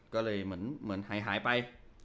ก็เลยเหมือนหายไป